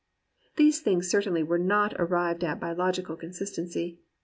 These things certainly were not arrived at by logical consistency.